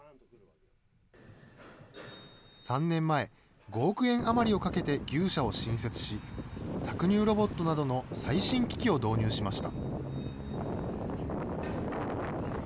３年前、５億円余りをかけて牛舎を新設し、搾乳ロボットなどの最新機器を導入しました。